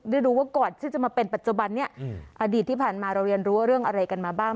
ได้ดูว่าก่อนที่จะมาเป็นปัจจุบันนี้อดีตที่ผ่านมาเราเรียนรู้เรื่องอะไรกันมาบ้าง